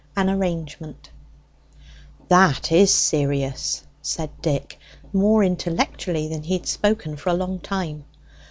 AN ARRANGEMENT "That is serious," said Dick, more intellectually than he had spoken for a long time.